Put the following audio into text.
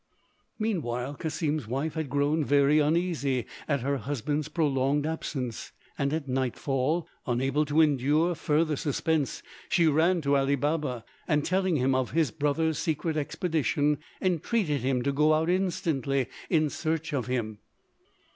Meanwhile Cassim's wife had grown very uneasy at her husband's prolonged absence; and at nightfall, unable to endure further suspense, she ran to Ali Baba, and telling him of his brother's secret expedition, entreated him to go out instantly in search of him.